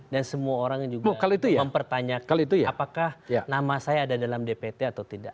dan semua orang juga mempertanya apakah nama saya ada dalam dpt atau tidak